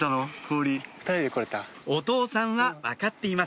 お父さんは分かっています